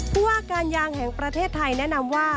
ผู้ว่าการยางแห่งประเทศไทยแนะนำว่า